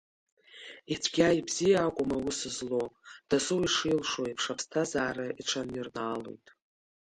Ицәгьа-ибзиа акәым аус злоу, дасу ишилшо еиԥш аԥсҭазаара иҽанираалоит.